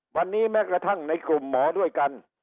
วันนี้แม้กระทั่งในกลุ่มหมอด้วยกัน